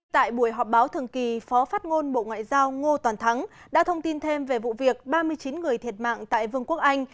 tại buổi họp báo thường kỳ phó phát ngôn bộ ngoại giao ngô toàn thắng đã thông tin thêm về vụ việc ba mươi chín người thiệt mạng tại vương quốc anh